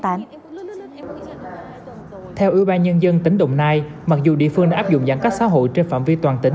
theo ủy ban nhân dân tỉnh đồng nai mặc dù địa phương đã áp dụng giãn cách xã hội trên phạm vi toàn tỉnh